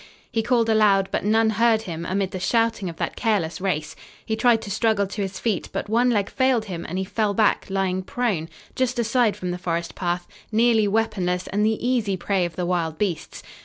He called aloud, but none heard him amid the shouting of that careless race. He tried to struggle to his feet, but one leg failed him and he fell back, lying prone, just aside from the forest path, nearly weaponless and the easy prey of the wild beasts.